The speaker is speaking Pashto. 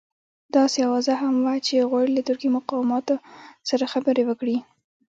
داسې اوازه هم وه چې غواړي له ترکي مقاماتو سره خبرې وکړي.